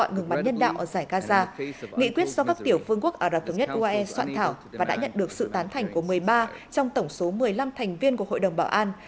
ngừng bắn nhân đạo ở giải gaza nghị quyết do các tiểu phương quốc ở đặc tướng nhất uae soạn thảo và đã nhận được sự tán thành của một mươi ba trong tổng số một mươi năm thành viên của hội đồng bảo an